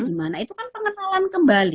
dimana itu kan pengenalan kembali